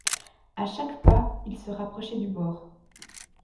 À chaque pas il se rapprochait du bord.